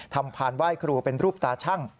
พานไหว้ครูเป็นรูปตาชั่ง